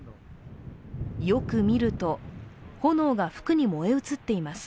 よく見ると、炎が服に燃え移っています。